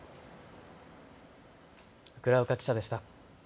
倉岡記者でした。